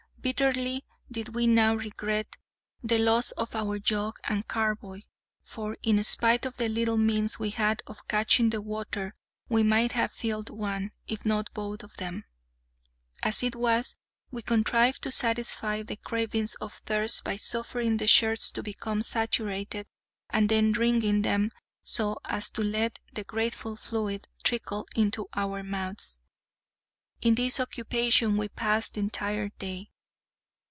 Bitterly did we now regret the loss of our jug and carboy; for, in spite of the little means we had of catching the water, we might have filled one, if not both of them. As it was, we contrived to satisfy the cravings of thirst by suffering the shirts to become saturated, and then wringing them so as to let the grateful fluid trickle into our mouths. In this occupation we passed the entire day.